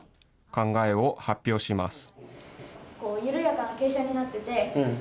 考えを発表します。